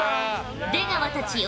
出川たちよ